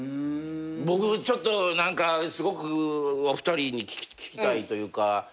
僕ちょっと何かすごくお二人に聞きたいというか。